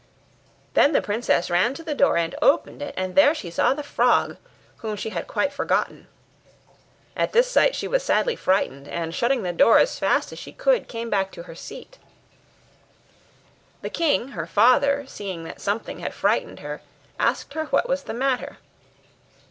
Then the princess ran to the door and opened it, and there she saw the frog, whom she had quite forgotten. At this sight she was sadly frightened, and shutting the door as fast as she could came back to her seat. The king, her father, seeing that something had frightened her, asked her what was the matter.